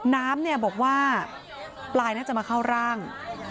น้ำเนี่ยบอกว่าปลายน่าจะมาเข้าร่าง